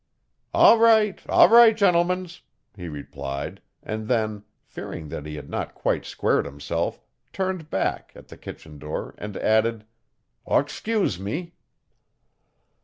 'All right! all right! gentlemens,' he replied, and then, fearing that he had not quite squared himself, turned back, at the kitchen door, and added, 'Oxcuse me.